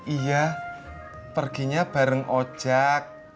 iya perginya bareng ocak